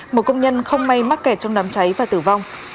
một công nhân không may mắc kẹt trong đám cháy và tử vong